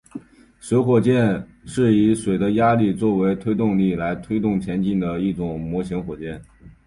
水火箭是以水的压力作为推动力来推动前进的一种模型火箭。